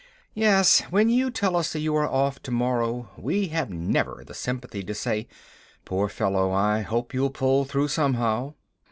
Yet, when you tell us you are off to morrow, we have never the sympathy to say, "Poor fellow, I hope you'll pull through somehow."